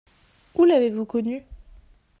Où l'avez-vous connu ?